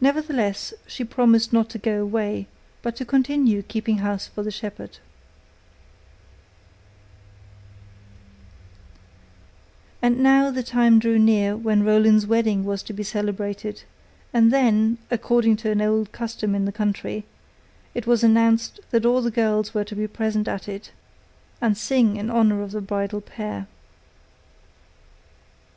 Nevertheless, she promised not to go away, but to continue keeping house for the shepherd. And now the time drew near when Roland's wedding was to be celebrated, and then, according to an old custom in the country, it was announced that all the girls were to be present at it, and sing in honour of the bridal pair.